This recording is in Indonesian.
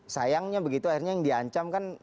sayangnya begitu akhirnya yang diancam kan